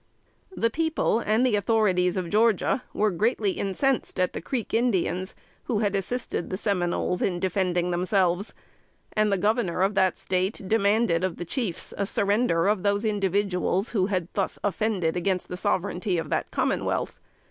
The people, and the authorities of Georgia, were greatly incensed at the Creek Indians, who had assisted the Seminoles in defending themselves; and the Governor of that State demanded of the chiefs a surrender of those individuals who had thus offended against the sovereignty of that commonwealth.